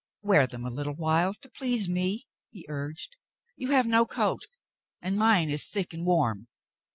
"Wear them a little while to please me," he urged. "You have no coat, and mine is thick and warm."